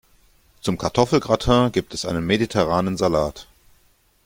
Zum Kartoffelgratin gibt es einen mediterranen Salat.